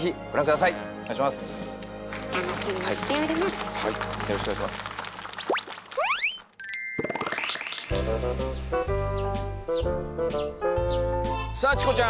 さあチコちゃん。